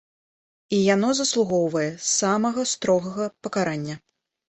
І яно заслугоўвае самага строгага пакарання.